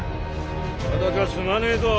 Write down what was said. ただじゃ済まねえぞ！